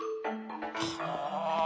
はあ。